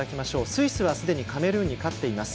スイスはすでにカメルーンに勝っています。